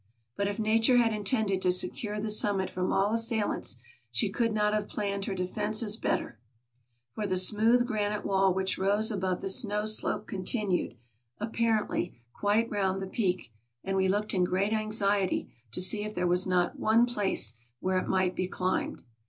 But if Nature had intended to secure the summit from all assailants, she could not have planned her defenses better; for the smooth granite wall which rose above the snow slope continued, apparently, quite round the peak, and we looked in great anxiety to see if there was not one place where it might be climbed.